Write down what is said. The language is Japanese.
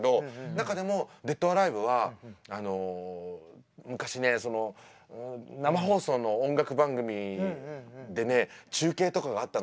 中でもデッド・オア・アライヴは昔ね生放送の音楽番組でね中継とかがあったの。